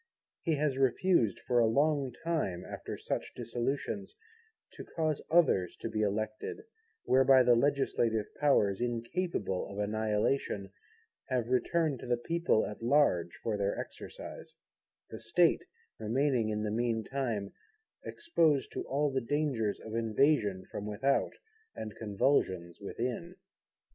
He has refused for a long time, after such dissolutions, to cause others to be elected; whereby the Legislative Powers, incapable of Annihilation, have returned to the People at large for their exercise; the State remaining in the mean time exposed to all the dangers of invasion from without, and convulsions within.